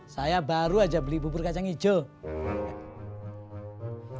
saya baru aja beli bubur kacang hijau